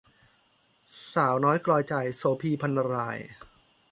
สาวน้อยกลอยใจ - โสภี พรรณราย